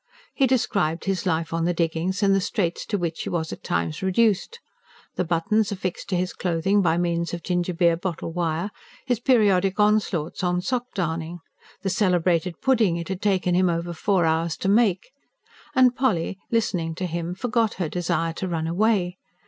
He described his life on the diggings and the straits to which he was at times reduced: the buttons affixed to his clothing by means of gingerbeer bottle wire; his periodic onslaughts on sock darning; the celebrated pudding it had taken him over four hours to make. And Polly, listening to him, forgot her desire to run away.